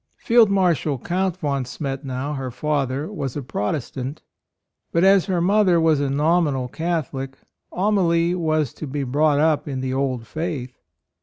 Field Marshal Count von Schmettau, her father, was a Protestant; but, as her mother was a nominal Catholic, Amalie was to be brought up in the old faith.